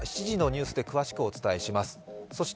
７時のニュースで詳しくお伝えします。